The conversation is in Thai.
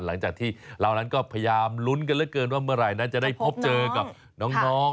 หลังจากที่เรานั้นก็พยายามลุ้นกันเหลือเกินว่าเมื่อไหร่นั้นจะได้พบเจอกับน้อง